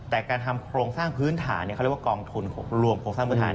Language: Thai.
แต่การทำโครงสร้างพื้นฐานเขาเรียกว่ากองทุนรวมโครงสร้างพื้นฐาน